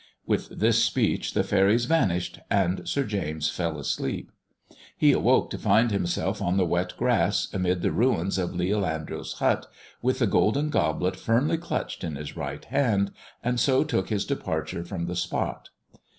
"With this speech the faeries vanished and Sir James fell asleep. He awoke to find himself on the wet grass, amid the ruins of Leal Andrew's hut, with the golden goblet firmly clutched in his right hand, and so took his departure from the spot.